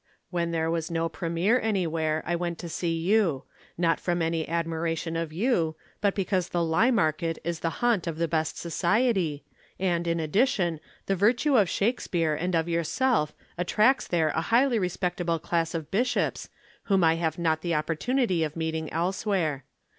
When there was no premiere anywhere, I went to see you not from any admiration of you, but because the Lymarket is the haunt of the best society, and in addition, the virtue of Shakespeare and of yourself attracts there a highly respectable class of bishops whom I have not the opportunity of meeting elsewhere.